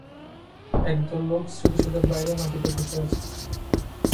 এক দল লোক স্মৃতিসৌধের বাইরে মাটিতে বসে আছে।